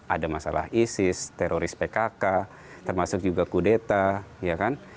ada masalah isis teroris pkk termasuk juga kudeta ya kan